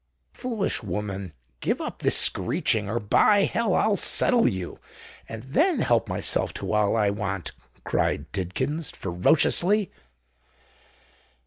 "Foolish woman, give up this screeching—or, by hell! I'll settle you, and then help myself to all I want," cried Tidkins, ferociously.